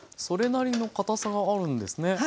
それなりの固さがあるんですね。